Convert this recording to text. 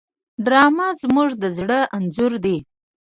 ډرامه زموږ د زړه انځور دی